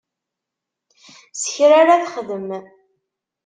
Sekra ara texdem.